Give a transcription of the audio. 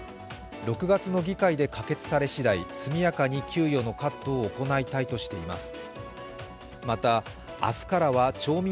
６月の議会で可決されしだい速やかに給与のカットを行いたいとしています。